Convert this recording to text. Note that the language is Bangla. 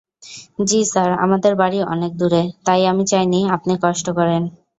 জ্বী স্যার, আমাদের বাড়ি অনেক দূরে, তাই আমি চাইনি আপনি কষ্ট করেন?